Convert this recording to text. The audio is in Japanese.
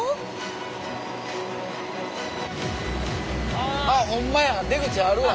あっホンマや出口あるわ。